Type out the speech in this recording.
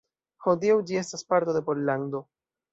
Hodiaŭ ĝi estas parto de Pollando.